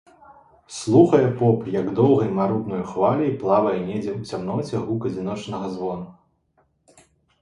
Слухае поп, як доўгай, маруднаю хваляй плавае недзе ў цямноце гук адзіночнага звону.